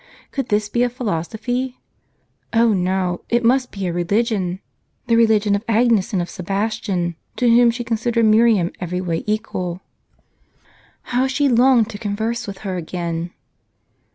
Could this be a philosophy? Oh, no, it must be a religion ! the religion of Agnes and of Sebastian, to whom she considered Miriam every way equal. Ho^^^ she longed to ccmverse with her again